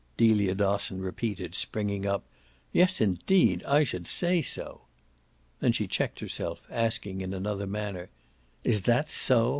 Delia Dosson repeated, springing up. "Yes indeed I should say so!" Then she checked herself, asking in another manner: "Is that so?